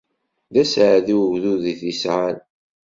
D aseɛdi ugdud i t-yesɛan!